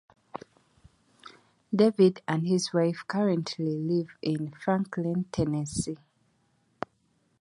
David and his wife currently live in Franklin, Tennessee.